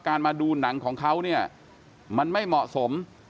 การมาดูหนังของเขามันไม่เหมาะสม